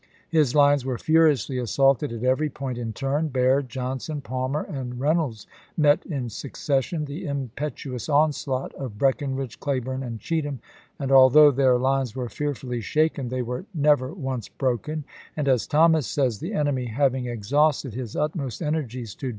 His lines were fm iously assaulted at every point in turn : Baird, Johnson, Palmer, and Rey nolds met in succession the impetuous onslaught of Breckinridge, Cleburne, and Cheatham, and al though their lines were fearfully shaken they were never once broken, and, as Thomas says, "The enemy having exhausted his utmost energies to voi^xxx.